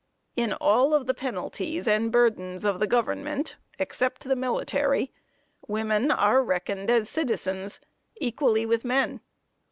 In all the penalties and burdens of the government, (except the military,) women are reckoned as citizens, equally with men.